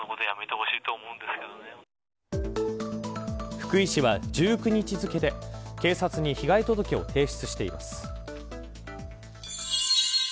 福井市は１９日付で警察に被害届を提出しています。